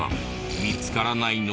見つからないのか？